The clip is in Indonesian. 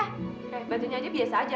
kayak batunya aja biasa aja